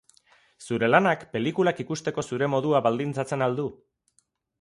Zure lanak pelikulak ikusteko zure modua baldintzatzen al du?